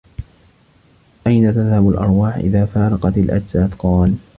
أَيْنَ تَذْهَبُ الْأَرْوَاحُ إذَا فَارَقَتْ الْأَجْسَادَ ؟ قَالَ